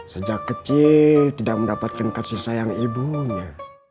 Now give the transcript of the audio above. sejak kecil tidak mendapatkan kasih sayang ibunya